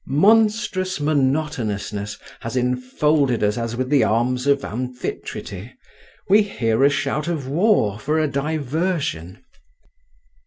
Monstrous monotonousness has enfolded us as with the arms of Amphitrite! We hear a shout of war for a diversion.